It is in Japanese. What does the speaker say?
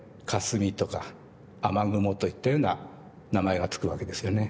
霞とか雨雲といったような名前が付くわけですよね。